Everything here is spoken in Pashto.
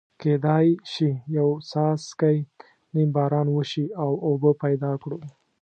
کېدای شي یو څاڅکی نیم باران وشي او اوبه پیدا کړو.